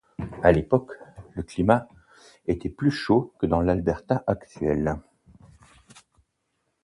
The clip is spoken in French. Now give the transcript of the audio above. À l'époque, le climat était plus chaud que dans l'Alberta actuel.